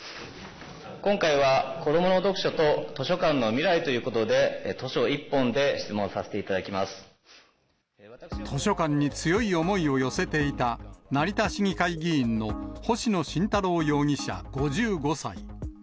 今回は子どもの読書と図書館の未来ということで、図書一本で質問図書館に強い思いを寄せていた、成田市議会議員の星野慎太郎容疑者５５歳。